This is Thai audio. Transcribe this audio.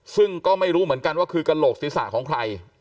ซึ่งก็ไม่รู้เหมือนกันว่าคือกระโหลกศีรษะของใคร